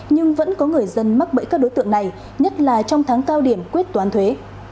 nhưng vẫn có người dân mắc bẫy các đối tượng này nhất là trong tháng cao điểm quyết toán thuế